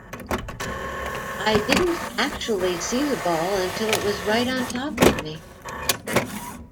I didn't actually see the ball until it was right on top of me.